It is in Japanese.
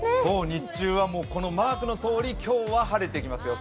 日中はこのマークのとおり今日は晴れてきますよ。